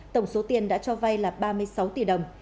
tổng số tiền đã cho vay là ba mươi sáu tỷ đồng